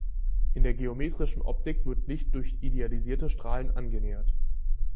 In der geometrischen Optik wird Licht durch idealisierte Strahlen angenähert.